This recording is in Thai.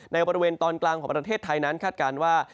ในบริเวณตอนกลางของประเทศไทยนั้นคาดการณ์ว่า